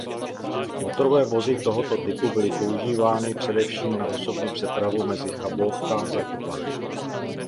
Motorové vozy tohoto typu byly používány především na osobní přepravu mezi Chabówka–Zakopane.